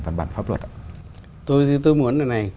và bản pháp luật tôi muốn